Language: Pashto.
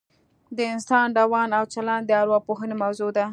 د انسان روان او چلن د اوراپوهنې موضوع ده